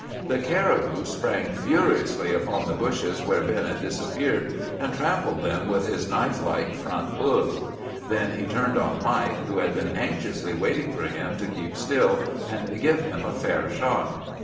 "The caribou sprang furiously upon the bushes where Ben had disappeared, and trampled them with his knife like front hoofs. Then he turned on Mike, who had been anxiously waiting for him to keep still and give him a fair shot.